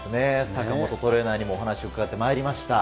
坂本トレーナーにもお話を伺ってまいりました。